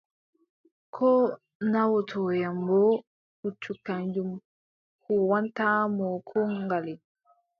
Ko naawotoyam boo, puccu kanyum huuwwantaamo koo ngale.